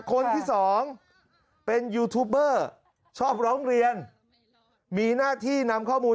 คนที่สองเป็นยูทูปเบอร์ชอบร้องเรียนมีหน้าที่นำข้อมูล